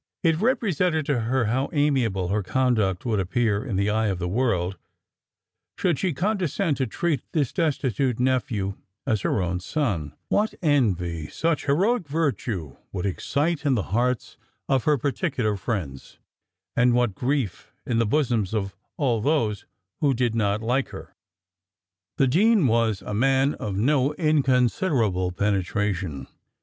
It represented to her how amiable her conduct would appear in the eye of the world should she condescend to treat this destitute nephew as her own son; what envy such heroic virtue would excite in the hearts of her particular friends, and what grief in the bosoms of all those who did not like her. The dean was a man of no inconsiderable penetration.